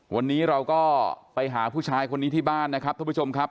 วันนี้เราก็ไปหาผู้ชายคนนี้ที่บ้านนะครับท่านผู้ชมครับ